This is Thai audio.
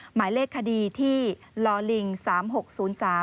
หมายเลขคดีที่ลศ๓๖๐๓๕๘